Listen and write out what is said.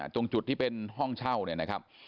ตรงจุดที่เป็นห้องเช่าเนี่ยนะครับ